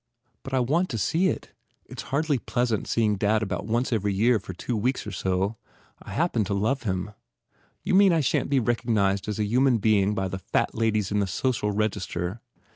"But I want to see it ! It s hardly pleasant see ing dad about once every year for two weeks or so. I happen to love him. You mean I shan t be recognized as a human being by the fat ladies in the Social Register?